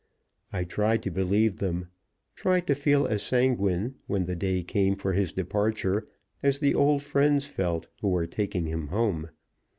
I tried to believe them tried to feel as sanguine, when the day came for his departure, as the old friends felt who were taking him home.